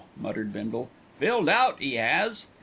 muttered Bindle. "Filled out, 'e 'as.